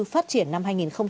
phát triển năm hai nghìn hai mươi